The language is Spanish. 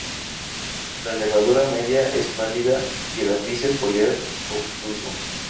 La nervadura media es pálida y el ápice foliar obtuso.